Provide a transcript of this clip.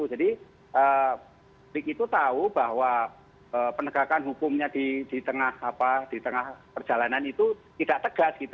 jadi prik itu tahu bahwa penegakan hukumnya di tengah perjalanan itu tidak tegas